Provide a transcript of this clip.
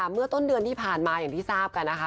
เมื่อต้นเดือนที่ผ่านมาอย่างที่ทราบกันนะคะ